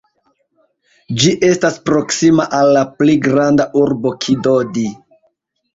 Ĝi estas proksima al la pli granda urbo Kidodi.